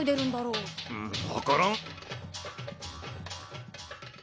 うんわからん。